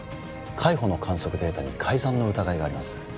海保の観測データに改ざんの疑いがあります